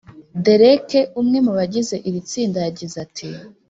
Derek umwe mu bagize iri tsinda yagize ati